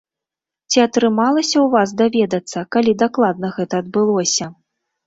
Ці атрымалася ў вас даведацца, калі дакладна гэта адбылося?